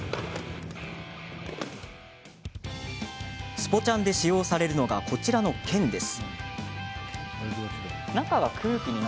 スポチャンで使用されるのがこちらの剣です。